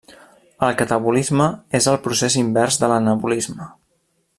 El catabolisme és el procés invers de l'anabolisme.